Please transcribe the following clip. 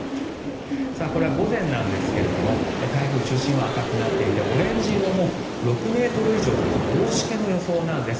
これは午前なんですが台風中心は赤くなっていてオレンジ色６ｍ以上ということで大しけの予想なんです。